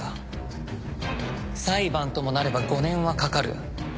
裁判ともなれば５年はかかる。